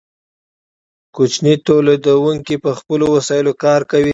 کوچني تولیدونکي په خپلو وسایلو کار کوي.